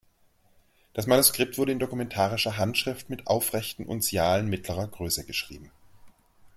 Das Manuskript wurde in dokumentarischer Handschrift mit aufrechten Unzialen mittlerer Größe geschrieben.